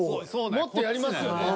もっとやりますよね。